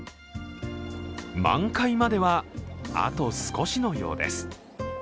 満開まではあと少しのようです。